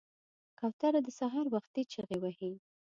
کوتره د سهار وختي چغې وهي.